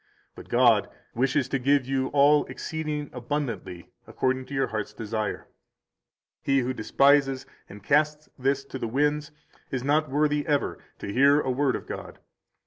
But God wishes to give you all exceeding abundantly according to your heart's desire. He who despises and casts this to the winds is not worthy ever to hear a word of God.